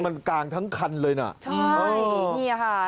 มันกางทั้งคันเลยน่ะใช่นี่ค่ะ